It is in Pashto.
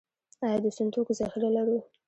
آیا د سون توکو ذخیرې لرو؟